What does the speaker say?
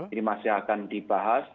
ini masih akan dibahas